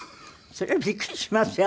そりゃびっくりしますよ